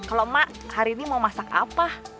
kalau mak hari ini mau masak apa